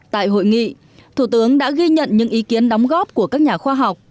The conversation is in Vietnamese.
tại hội nghị thủ tướng đã ghi nhận những ý kiến đóng góp của các nhà khoa học